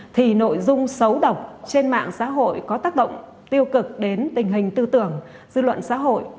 thì nội dung xấu độc trên mạng xã hội có tác động tiêu cực đến tình hình tư tưởng dư luận xã hội